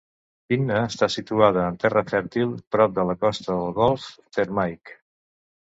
Pydna està situada en terra fèrtil prop de la costa del golf Thermaic.